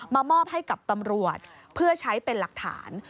มามอบให้กับตำรวจเพื่อใช้เป็นหลักฐาน